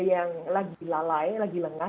yang lagi lalai lagi lengah